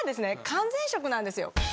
完全食なんですよ。